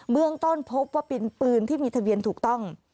เมืองต้นพบว่าเป็นปืนที่มีทะเบียนถูกต้อง